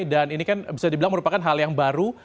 dan ini kan bisa dibilang merupakan hal yang baru